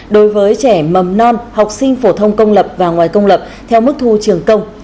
đối với trẻ mầm non học sinh phổ thông công lập và ngoài công lập theo mức thu trường công